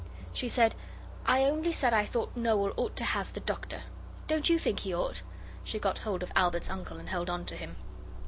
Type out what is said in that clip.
She said, 'I only said I thought Noel ought to have the doctor. Don't you think he ought?' She got hold of Albert's uncle and held on to him.